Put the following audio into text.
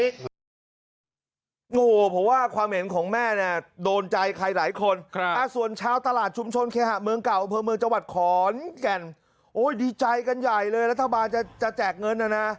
โอ้โหผมว่าความเห็นของแม่เนี่ยโดนใจใครหลายคนส่วนชาวตลาดชุมชนเคหะเมืองเก่าอำเภอเมืองจังหวัดขอนแก่นโอ้ยดีใจกันใหญ่เลยรัฐบาลจะแจกเงินน่ะนะ